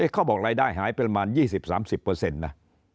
เขาบอกรายได้หายประมาณ๒๐๓๐นะ